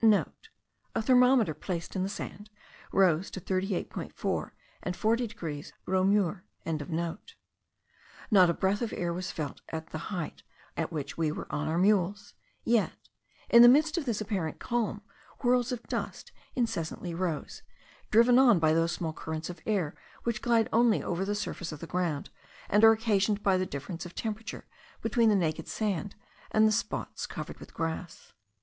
*(* A thermometer, placed in the sand, rose to 38.4 and 40 degrees Reaumur.) Not a breath of air was felt at the height at which we were on our mules; yet, in the midst of this apparent calm, whirls of dust incessantly arose, driven on by those small currents of air which glide only over the surface of the ground, and are occasioned by the difference of temperature between the naked sand and the spots covered with grass.